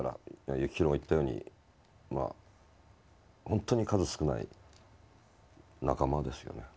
幸宏が言ったようにほんとに数少ない仲間ですよね。